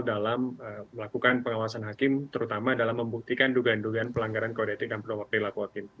dalam melakukan pengawasan hakim terutama dalam membuktikan dugaan dugaan pelanggaran kodetik dan penopak perilaku hakim